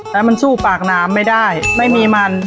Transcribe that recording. แล้วมันสู้ปากน้ำไม่ได้ไม่มีมัน